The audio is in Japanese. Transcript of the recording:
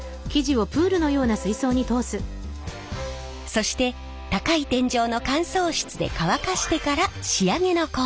そして高い天井の乾燥室で乾かしてから仕上げの工程へ。